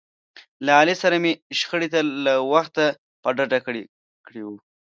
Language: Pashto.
له علي سره مې شخړې ته له وخته په ډډه کړي و.